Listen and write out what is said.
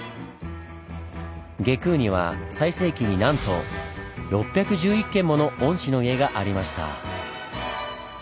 外宮には最盛期になんと６１１軒もの御師の家がありました。